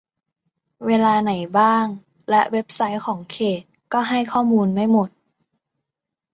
เวลาไหนบ้าง และเว็บไซต์ของเขต ก็ให้ข้อมูลไม่หมด